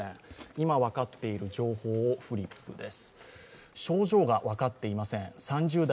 今、分かっている情報のフリップです。